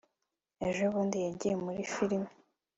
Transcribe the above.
ejo bundi yagiye muri firime